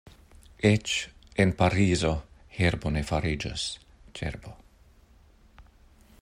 Eĉ en Parizo herbo ne fariĝas cerbo.